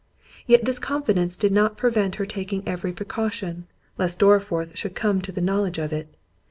Yet this confidence did not prevent her taking every precaution, lest Dorriforth should come to the knowledge of it.